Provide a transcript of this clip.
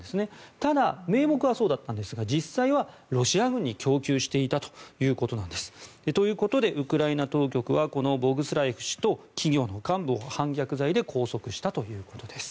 ただ、名目はそうだったんですが実際はロシア軍に供給していたということなんです。ということでウクライナ当局はこのボグスラエフ氏と企業の幹部を、反逆罪で拘束したということです。